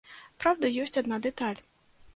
Праўда, ёсць адна дэталь.